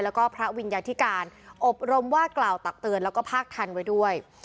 แล้วก็พระวิญญาธิการอบรมว่ากล่าวตักเตือนแล้วก็ภาคทันไว้ด้วย